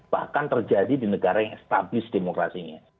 bahkan terjadi di negara yang establis demokrasinya